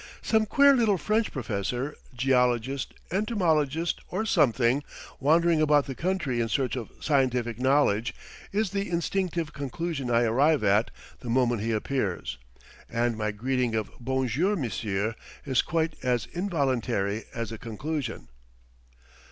"Some queer little French professor, geologist, entomologist, or something, wandering about the country in search of scientific knowledge," is the instinctive conclusion I arrive at the moment he appears; and my greeting of "bonjour, monsieur," is quite as involuntary as the conclusion.